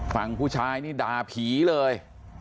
ฝั่งผู้ชายนี่ด่าผีเลย